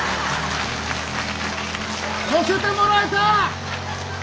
乗せてもらえた！